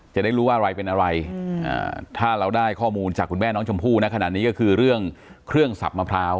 จะได้รู้ว่าอะไรเป็นอะไรถ้าเราได้ข้อมูลจากคุณแม่น้องชมพู่นะขนาดนี้ก็คือเรื่องเครื่องสับมะพร้าว